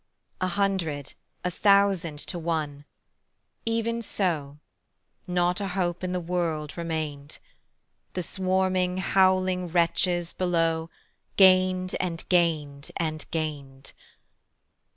A hundred, a thousand to one; even so; Not a hope in the world remained: The swarming, howling wretches below Gained and gained and gained.